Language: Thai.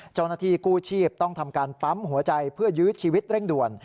เจ้าหน้าที่กู้ชีพต้องทำการปั๊มหัวใจเพื่อยื้อชีวิตเร่งด่วน